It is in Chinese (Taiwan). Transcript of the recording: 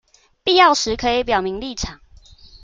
必要時可以表明立場